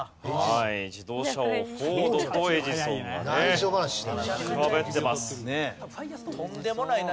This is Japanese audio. はい自動車王フォードとエジソンがねしゃべってます。